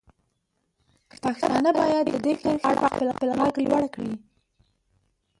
پښتانه باید د دې کرښې په اړه خپل غږ لوړ کړي.